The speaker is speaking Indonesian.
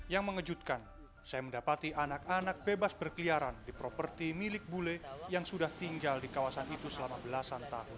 yang mengejutkan saya mendapati anak anak bebas berkeliaran di properti milik bule yang sudah tinggal di kawasan itu selama belasan tahun